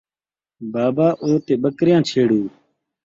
بابا او تے ٻکریاں چھیڑو